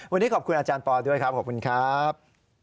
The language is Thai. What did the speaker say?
วันนี้ขอบคุณอาจารย์ปอด้วยครับขอบคุณครับ